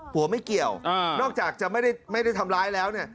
ผัวไม่เกี่ยวนอกจากจะไม่ได้ทำร้ายแล้วเนี่ย